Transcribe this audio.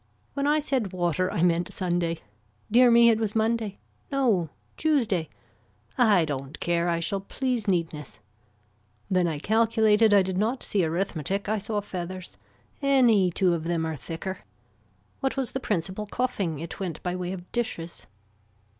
When I said water I meant Sunday. Dear me it was Monday. No Tuesday. I don't care I shall please neatness. Then I calculated I did not see arithmetic I saw feathers, any two of them are thicker. What was the principle coughing, it went by way of dishes.